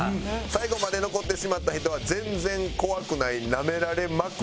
最後まで残ってしまった人は全然怖くないナメられまくり